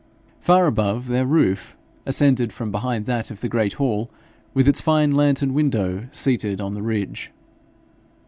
Far above their roof, ascended from behind that of the great hall, with its fine lantern window seated on the ridge.